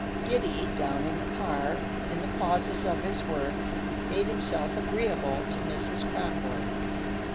Giddy, down in the car, in the pauses of his work, made himself agreeable to Mrs. Kronborg.